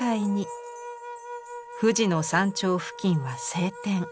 富士の山頂付近は晴天。